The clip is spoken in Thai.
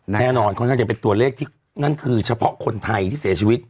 แน่นอนค่อนข้างจะเป็นตัวเลขที่นั่นคือเฉพาะคนไทยที่เสียชีวิต